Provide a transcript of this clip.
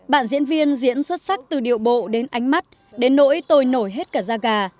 bạn diễn viên diễn xuất sắc từ điệu bộ đến ánh mắt đến nỗi tôi nổi hết cả da gà